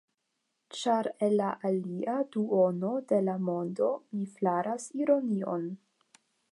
Ĉar el la alia duono de la mondo, mi flaras ironion.